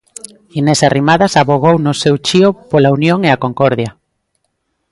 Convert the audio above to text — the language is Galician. Inés Arrimadas avogou no seu chío pola unión e a concordia.